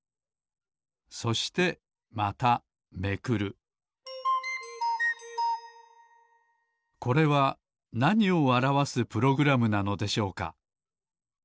そしてまためくるこれはなにをあらわすプログラムなのでしょうか？